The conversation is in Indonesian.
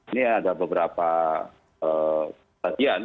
ini ada beberapa latihan